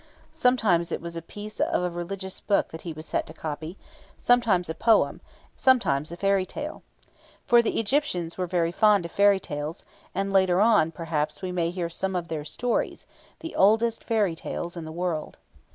Sometimes it was a piece of a religious book that he was set to copy, sometimes a poem, sometimes a fairy tale. For the Egyptians were very fond of fairy tales, and later on, perhaps, we may hear some of their stories, the oldest fairy stories in the world.